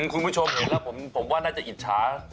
คุณผู้ชมเห็นแล้วผมว่าน่าจะอิจฉา